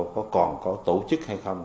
có còn có tổ chức hay không